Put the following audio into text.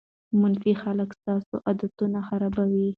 منفي خلک ستاسو عادتونه خرابوي.